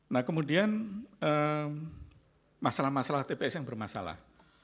nah kemudian masalah masalah tps yang bermasalah